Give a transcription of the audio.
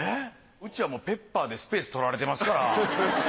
うちはもうペッパーでスペース取られてますから。